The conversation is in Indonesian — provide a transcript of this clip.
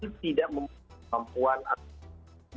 itu tidak memiliki kemampuan atau